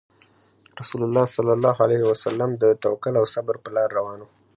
رسول الله صلى الله عليه وسلم د توکل او صبر په لار روان وو.